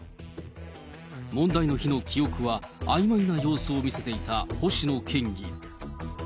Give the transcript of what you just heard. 問題の日の記憶は、あいまいな様子を見せていた星野県議。